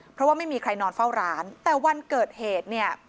เพราะว่าไม่มีใครนอนเฝ้าร้านแต่วันเกิดเหตุเนี่ย